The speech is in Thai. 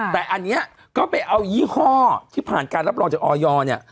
แต่อันนี้ก็ไปเอายี่ห้อที่ผ่านการรับรองจากออยเนี่ย